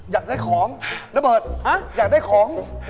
อยากได้ของระเบิดอยากได้ของ